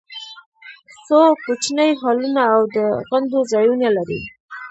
څو کوچني هالونه او د غونډو ځایونه لري.